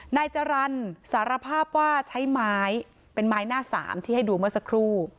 นายจรรย์สารภาพว่าใช้ไม้เป็นไม้หน้าสามที่ให้ดูเมื่อสักครู่